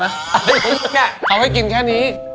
เอาให้กินแค่นี้